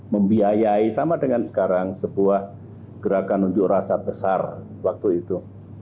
membiayai sama dengan sekarang sebuah gerakan unjuk rasa besar waktu itu